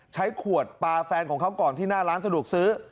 ใช้ขวดปลาแฟนของเขาก่อนที่หน้าร้านสะดวกซื้อ